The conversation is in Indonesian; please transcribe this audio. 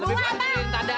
lebih parah gini tanda